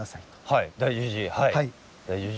はい。